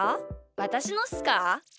わたしのっすか？